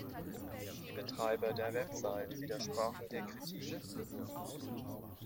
Die Betreiber der Website widersprachen der Kritik.